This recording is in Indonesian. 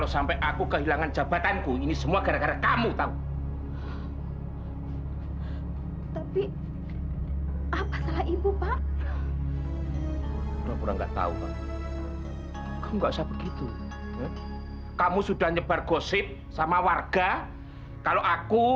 sampai jumpa di video selanjutnya